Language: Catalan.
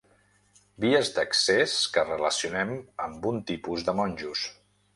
Vies d'accés que relacionem amb un tipus de monjos.